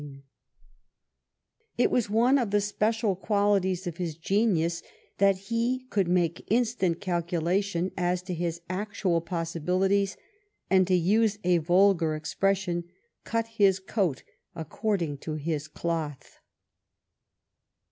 245 THE BBIGN OF QUEEN ANKE It was one of the special qualities of his genius that he could make instant calculation as to his actual possibilities, and, to use a vulgar expression, " cut his coat according to his cloth."